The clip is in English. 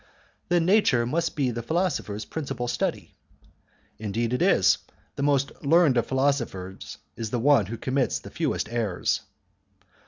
"Then nature must be the philosopher's principal study?" "Indeed it is; the most learned of philosophers is the one who commits the fewest errors."